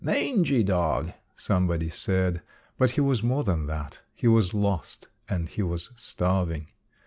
"Mangy dog," somebody said, but he was more than that. He was lost and he was starving.